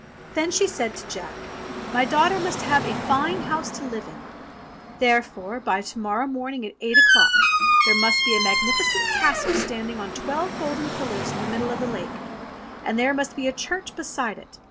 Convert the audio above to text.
Then he said to Jack, "My daughter must have a fine house to live in. Therefore by to morrow morning at eight o'clock there must be a magnificent castle standing on twelve golden pillars in the middle of the lake, and there must be a church beside it.